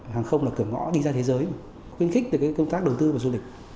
hàng không là cửa ngõ đi ra thế giới khuyến khích được công tác đầu tư và du lịch